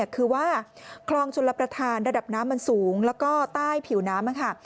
คือว่าคลองชลประธานระดับน้ำมันสูงแล้วก็ใต้ผิวน้ำค่ะ